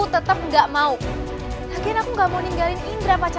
tapi kan kak bandung belum dinyatakan bersalah